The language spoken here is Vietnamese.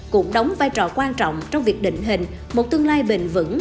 cũng đóng vai trò quan trọng trong việc định hình một tương lai bền vững